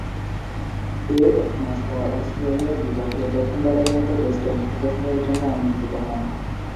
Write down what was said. এর একমাস পর অস্ট্রেলিয়ার বিপক্ষে প্রথমবারের মতো টেস্টে অংশগ্রহণের জন্যে আমন্ত্রিত হন।